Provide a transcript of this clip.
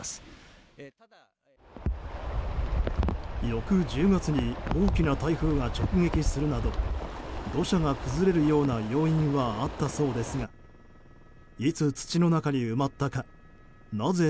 翌１０月に大きな台風が直撃するな土砂が崩れるような要因はあったそうですがいつ土の中に埋まったかなぜ